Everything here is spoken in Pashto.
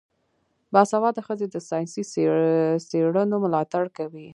باسواده ښځې د ساینسي څیړنو ملاتړ کوي.